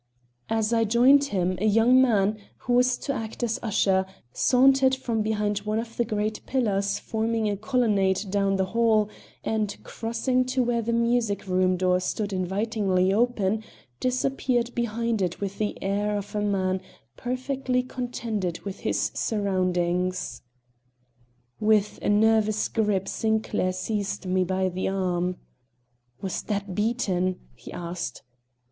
As I joined him a young man, who was to act as usher, sauntered from behind one of the great pillars forming a colonnade down the hall, and, crossing to where the music room door stood invitingly open, disappeared behind it with the air of a man perfectly contented with his surroundings. With a nervous grip Sinclair seized me by the arm. "Was that Beaton?" he asked.